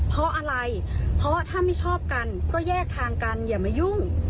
เพราะอะไรเพราะถ้าไม่ชอบกันก็แยกทางกันอย่ามายุ่ง